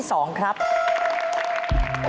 ของข้อที่๒ครับ